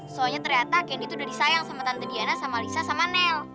soalnya ternyata kendi itu udah disayang sama tante diana sama lisa sama nel